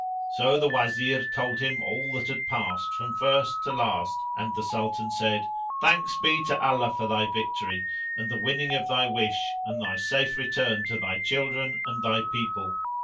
So the Wazir told him all that had passed from first to last and the Sultan said, "Thanks be to Allah for thy victory [FN#484] and the winning of thy wish and thy safe return to thy children and thy people!